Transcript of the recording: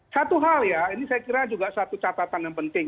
satu hal ya ini saya kira juga satu catatan yang penting